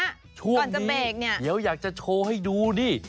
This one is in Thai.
ก่อนจะเบรกเนี่ยเดี๋ยวอยากจะโชว์ให้ดูนี่